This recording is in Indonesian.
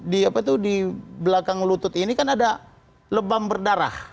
di belakang lutut ini kan ada lebam berdarah